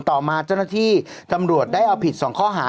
ต่อมาเจ้าหน้าที่ตำรวจได้เอาผิด๒ข้อหา